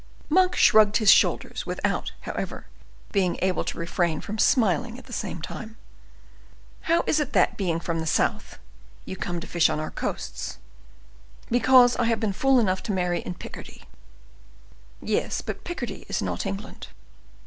Monk shrugged his shoulders, without, however, being able to refrain from smiling at the same time. "How is it that, being from the south, you come to fish on our coasts?" "Because I have been fool enough to marry in Picardy." "Yes; but even Picardy is not England."